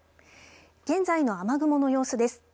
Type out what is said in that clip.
現在の雨雲の様子です。